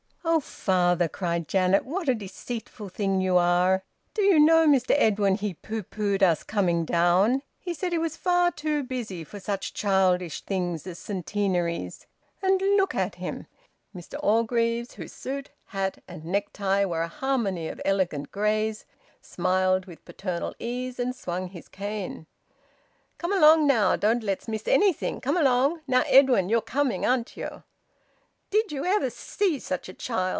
"Oh! Father!" cried Janet. "What a deceitful thing you are! Do you know, Mr Edwin, he pooh poohed us coming down: he said he was far too busy for such childish things as Centenaries! And look at him!" Mr Orgreave, whose suit, hat, and necktie were a harmony of elegant greys, smiled with paternal ease, and swung his cane. "Come along now! Don't let's miss anything. Come along. Now, Edwin, you're coming, aren't you?" "Did you ever see such a child?"